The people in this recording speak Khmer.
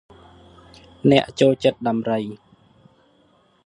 អ្នកចូលចិត្តដំរី ។